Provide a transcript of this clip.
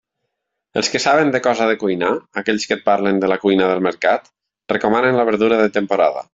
Els que saben de cosa de cuinar, aquells que et parlen de la cuina del mercat, recomanen la verdura de temporada.